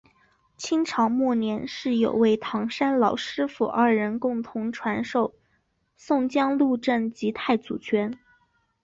清朝末年是有位唐山老师父二人共同传授宋江鹿阵及太祖拳。